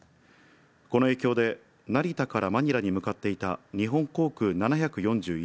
この影響で、成田からマニラに向かっていた日本航空７４１